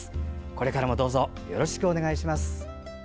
これからもどうぞよろしくお願いします。